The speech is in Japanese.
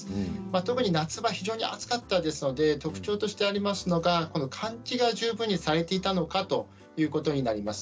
特に夏場非常に暑かったですので特徴としてありますのが換気が十分にされていたのかということになります。